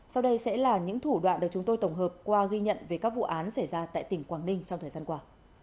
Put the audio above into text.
sau đây sẽ là những thủ đoạn được chúng tôi tổng hợp qua ghi nhận về các vụ án xảy ra tại tỉnh quảng ninh trong thời gian qua